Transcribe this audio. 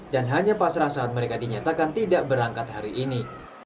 dan hanya pasrah saat mereka dinyatakan tidak berangkat hari ini